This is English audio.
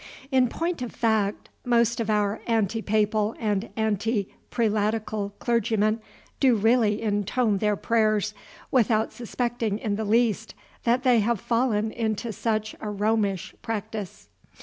In point of fact, most of our anti papal and anti prelatical clergymen do really intone their prayers, without suspecting in the least that they have fallen into such a Romish practice.